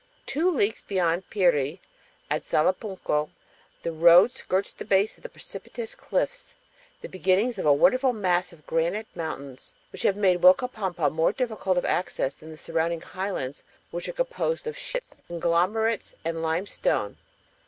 Two leagues beyond Piri, at Salapunco, the road skirts the base of precipitous cliffs, the beginnings of a wonderful mass of granite mountains which have made Uilcapampa more difficult of access than the surrounding highlands which are composed of schists, conglomerates, and limestone.